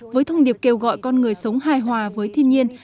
với thông điệp kêu gọi con người sống hài hòa với thiên nhiên